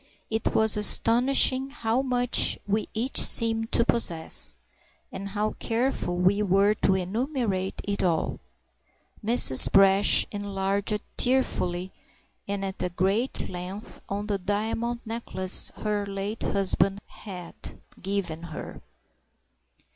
It was astonishing how much we each seemed to possess, and how careful we were to enumerate it all. Mrs. Brash enlarged tearfully and at great length on the diamond necklace her late husband had given her.